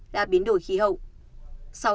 là biến đổi khí hậu